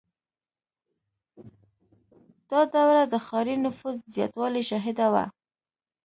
• دا دوره د ښاري نفوس د زیاتوالي شاهده وه.